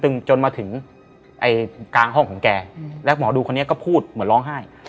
ซึ่งจนมาถึงกลางห้องของแกแล้วหมอดูคนนี้ก็พูดเหมือนร้องไห้